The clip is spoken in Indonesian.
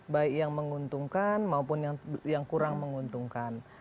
baik yang menguntungkan maupun yang kurang menguntungkan